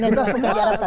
kita semua tahu ya